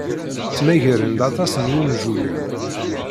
Ttmagaren-d aṭas n wunjugen.